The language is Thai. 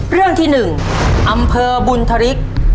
เรื่องที่๑อำเภอบุญธริก